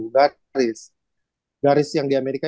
garis garis yang di amerika